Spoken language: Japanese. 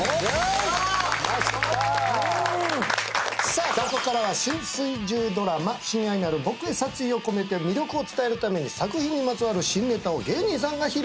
さあここからは新水１０ドラマ『親愛なる僕へ殺意をこめて』魅力を伝えるために作品にまつわる新ネタを芸人さんが披露します。